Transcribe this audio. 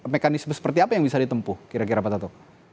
mekanisme seperti apa yang bisa ditempuh kira kira pak toto